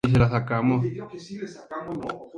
Pronto lanzaría su segundo single "Castles in the sky".